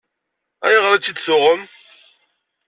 Ayɣer i tt-id-tuɣem?